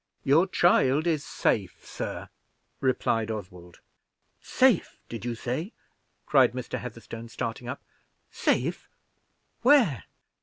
"Your child is safe, sir," replied Oswald. "Safe, did you say?" cried Mr. Heatherstone, starting up. "Safe! where'?"